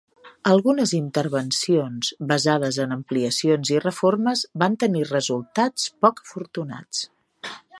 Algunes intervencions, basades en ampliacions i reformes, van tenir resultats poc afortunats.